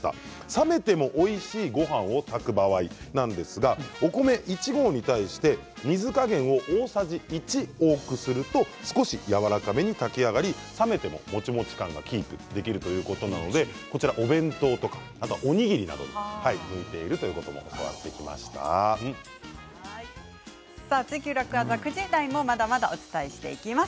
冷めてもおいしいごはんを炊く場合なんですがお米１合に対して水加減を大さじ１多くすると少しやわらかめに炊き上がり冷めても、もちもち感がキープできるということなのでお弁当やおにぎりなどに「ツイＱ楽ワザ」９時台もまだまだお伝えしていきます。